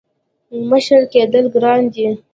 • مشر کېدل ګران دي.